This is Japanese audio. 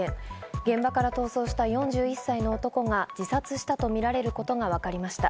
現場から逃走した４１歳の男が自殺したとみられることがわかりました。